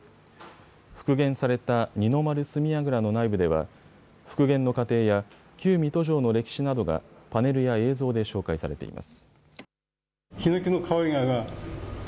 復元された二の丸角櫓の内部では復元の過程や旧水戸城の歴史などがパネルや映像で紹介されています。